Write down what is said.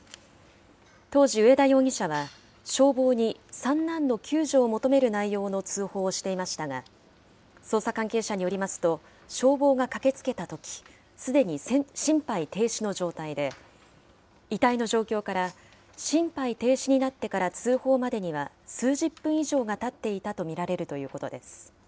当時、上田容疑者は、消防に三男の救助を求める内容の通報をしていましたが、捜査関係者によりますと、消防が駆けつけたとき、すでに心肺停止の状態で、遺体の状況から、心肺停止になってから通報までには数十分以上がたっていたと見られるということです。